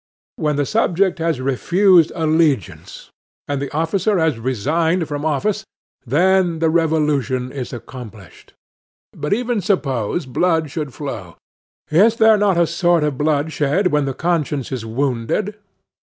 When the subject has refused allegiance, and the officer has resigned his office, then the revolution is accomplished. But even suppose blood should flow. Is there not a sort of blood shed when the conscience is wounded?